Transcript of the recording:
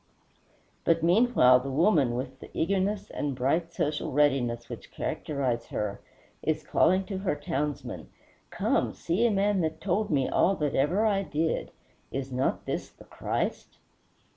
But meanwhile the woman, with the eagerness and bright, social readiness which characterize her, is calling to her townsmen, "Come, see a man that told me all that ever I did. Is not this the Christ?"